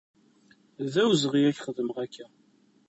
D awezɣi ad ak-xedmeɣ akka.